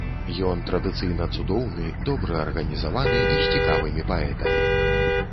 Ён традыцыйна цудоўны, добра арганізаваны і з цікавымі паэтамі.